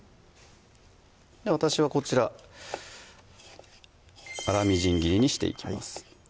私はこちら粗みじん切りにしていきます